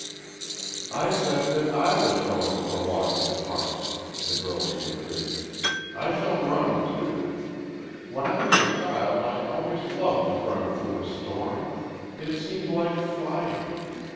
"I said that I was going for a walk in the Park," the girl reiterated. "I shall run, too. When I was a child I always loved to run through a storm. It seemed like flying.